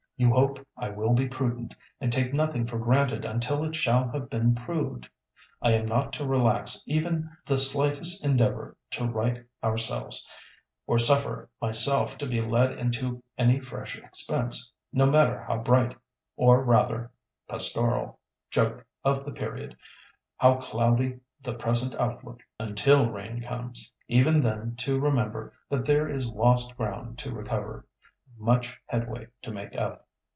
You hope I will be prudent, and take nothing for granted until it shall have been proved. I am not to relax even the smallest endeavour to right ourselves, or suffer myself to be led into any fresh expense, no matter how bright, or rather (pastoral joke of the period) how cloudy, the present outlook, till rain comes—until rains comes; even then to remember that there is lost ground to recover, much headway to make up.